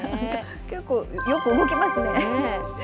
結構よく動きますね。